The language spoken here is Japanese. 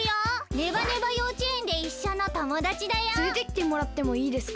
ネバネバようちえんでいっしょのともだちだよ。つれてきてもらってもいいですか？